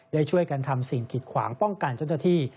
ได้ช่วยกันทำสิ่งกิดขวางป้องกันเจ้าหน้าที่